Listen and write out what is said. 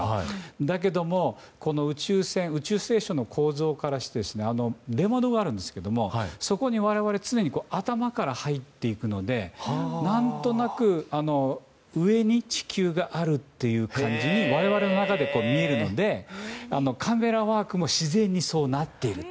だけども宇宙ステーションの構造からして出窓があるんですけどそこに我々常に頭から入っていくので何となく上に地球があるという感じに我々の中で見えるのでカメラワークも自然にそうなっていると。